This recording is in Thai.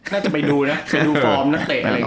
น่าจะไปดูนะไปดูฟอร์มนักเตะอะไรอย่างนี้